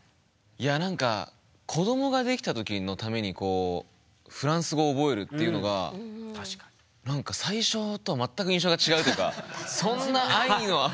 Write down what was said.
いや何か子どもができた時のためにフランス語覚えるっていうのが最初とは全く印象が違うっていうかそんな愛のある。